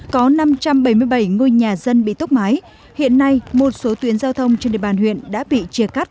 có năm trăm bảy mươi bảy ngôi nhà dân bị tốc mái hiện nay một số tuyến giao thông trên địa bàn huyện đã bị chia cắt